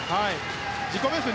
自己ベスト